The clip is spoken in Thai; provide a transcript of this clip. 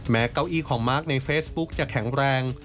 เก้าอี้ของมาร์คในเฟซบุ๊กจะแข็งแรง